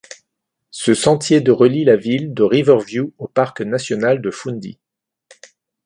Ce sentier de relie la ville de Riverview au parc national de Fundy.